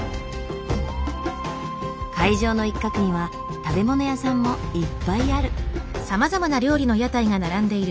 会場の一角には食べ物屋さんもいっぱいある。